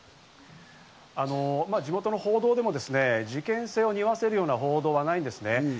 地元の報道でも、事件性をにおわせるような報道はないんですね。